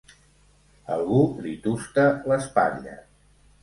Algú li tusta l'espatlla.